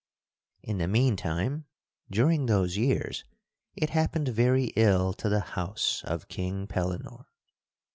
In the mean time, during those years, it happened very ill to the house of King Pellinore.